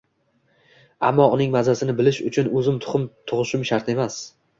Ammo uning mazasini bilish uchun o’zim tuxum tug’ishim shart emas.